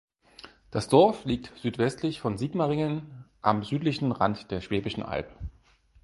Das Dorf liegt südwestlich von Sigmaringen am südlichen Rand der Schwäbischen Alb.